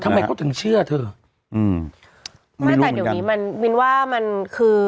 ทำไมเขาถึงเชื่อเธออืมไม่แต่เดี๋ยวนี้มันมินว่ามันคือ